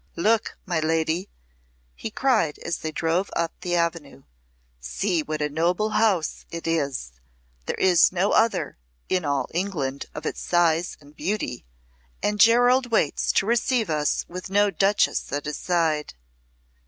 "Look, my lady!" he cried, as they drove up the avenue, "see what a noble house it is; there is no other, in all England, of its size and beauty. And Gerald waits to receive us with no Duchess at his side."